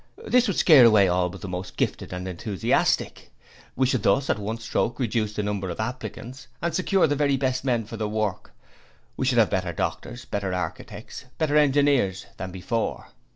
This would scare away all but the most gifted and enthusiastic. We should thus at one stroke reduce the number of applicants and secure the very best men for the work we should have better doctors, better architects, better engineers than before.